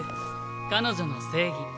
「彼女の正義」。